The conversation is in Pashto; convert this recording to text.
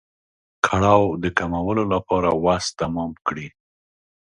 کړاو د کمولو لپاره وس تمام کړي.